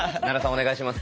お願いします。